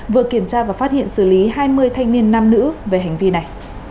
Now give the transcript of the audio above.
vừa kiểm tra và phát hiện xử lý hai mươi thanh niên nam nữ về hành vi này